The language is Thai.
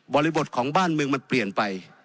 บริบทของบ้านเมืองมันเปลี่ยนไป